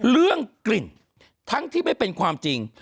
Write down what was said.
เรื่องกลิ่นทั้งที่ไม่เป็นความจริง